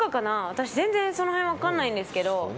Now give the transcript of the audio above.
私、全然その辺分からないんですけど。